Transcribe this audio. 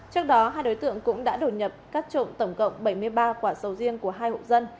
trước đó hai đối tượng cũng đã đột nhập cắt trộm tổng cộng bảy mươi ba quả sầu riêng của hai hộ dân